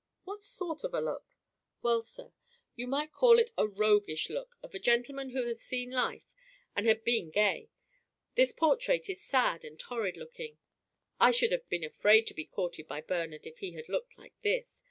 "What sort of a look?" "Well, sir, you might call it a roguish look, of a gentleman who had seen life and had been gay. This portrait is sad and horrid looking. I should have been afraid to be courted by Bernard if he had looked like this.